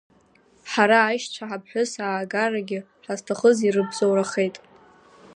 Ҳара аишьцәа ҳаԥҳәыс аагарагьы ҳазҭахыз ирбзоурахеит.